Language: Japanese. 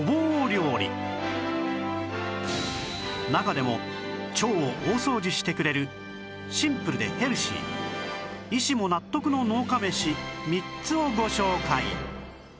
中でも腸を大掃除してくれるシンプルでヘルシー医師も納得の農家メシ３つをご紹介